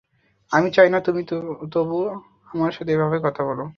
আমি চাই না তুমি তবুও আমার সাথে এভাবে কথা বলো।